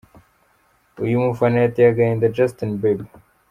Uyu mufana yateye agahinda Justin Bieber.